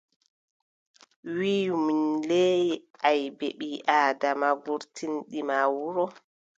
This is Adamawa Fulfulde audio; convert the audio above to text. Wiʼu min le aybeeji ɓii- Aadama gurtinɗi ma wuro.